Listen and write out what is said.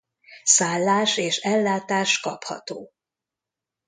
Szállás és ellátás kapható.